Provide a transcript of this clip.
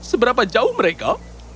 seberapa jauh mereka